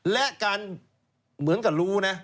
และเหมือนกับรูนะ